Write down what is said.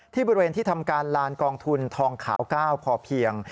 บริเวณที่ทำการลานกองทุนทองขาว๙พอเพียง